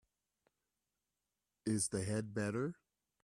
Is the head better?